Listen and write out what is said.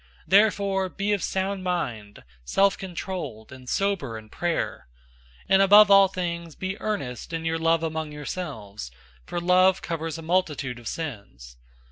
Therefore be of sound mind, self controlled, and sober in prayer. 004:008 And above all things be earnest in your love among yourselves, for love covers a multitude of sins.